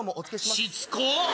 しつこっ！